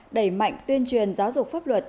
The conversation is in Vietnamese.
đẩy mạnh tuyên truyền giáo dục pháp luật